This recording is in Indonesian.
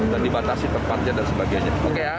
dan dibatasi tempatnya dan sebagainya